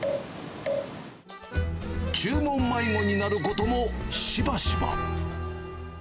注文迷子になることもしばしば。